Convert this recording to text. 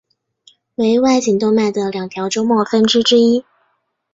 为外颈动脉的两条终末分支之一。